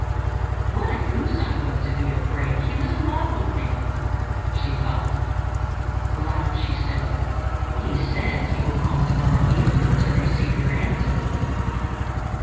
"What a goose I was to be afraid he was in love with me!" she thought. Aloud she said, "He says he will call tomorrow evening to receive your answer."